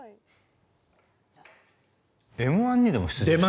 「Ｍ−１」にでも出場されたら？